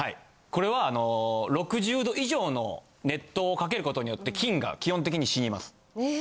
これは６０℃以上の熱湯をかけることによって菌が基本的に死にます。